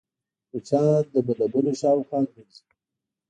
مچان د بلبونو شاوخوا ګرځي